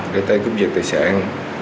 để tay cấp giật tài sản